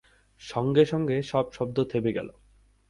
সঙ্গে-সঙ্গে সব শব্দ থেমে গেল।